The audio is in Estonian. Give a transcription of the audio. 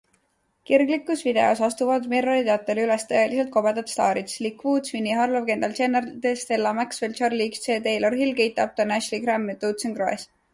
Kirglikus videos astuvad Mirrori teatel üles tõeliselt kobedad staarid - Slick Woods, Winnie Harlow, Kendall Jenner, Stella Maxwell, Charli XC, Taylor Hill, Kate Upton, Ashley Graham ja Doutzen Kroes.